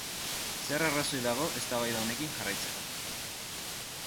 Zer arrazoi dago eztabaida honekin jarraitzeko?